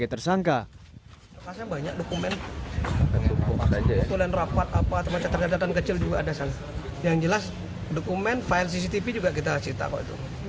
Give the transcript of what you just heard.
tim kejaksaan negeri mataram menangkap seorang kontraktor